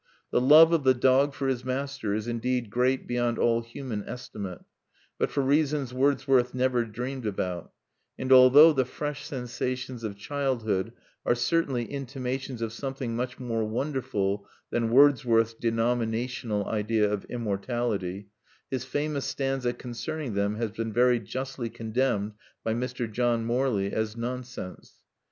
The love of the dog for his master is indeed "great beyond all human estimate," but for reasons Wordsworth never dreamed about; and although the fresh sensations of childhood are certainly intimations of something much more wonderful than Wordsworth's denominational idea of immortality, his famous stanza concerning them has been very justly condemned by Mr. John Morley as nonsense.